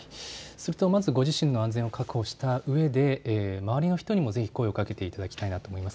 まずご自身の安全を確保したうえで周りの人にもぜひ声をかけていただきたいと思います。